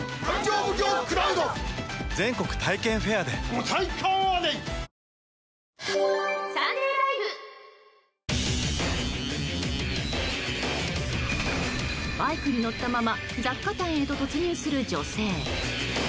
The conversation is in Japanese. お申込みはバイクに乗ったまま雑貨店へと突入する女性。